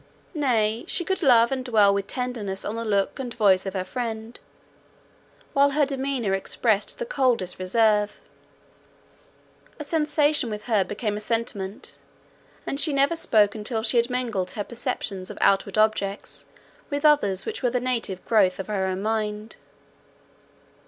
Nay, she could love and dwell with tenderness on the look and voice of her friend, while her demeanour expressed the coldest reserve. A sensation with her became a sentiment, and she never spoke until she had mingled her perceptions of outward objects with others which were the native growth of her own mind.